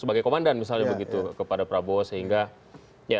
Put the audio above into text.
sebagai komandan misalnya begitu kepada prabowo sehingga ya